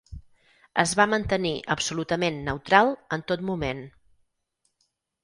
Es va mantenir absolutament neutral en tot moment.